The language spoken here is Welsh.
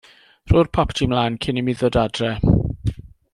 Rho'r popty mlaen cyn i mi ddod adra.